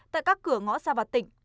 tại các cửa ngõ ra vào tỉnh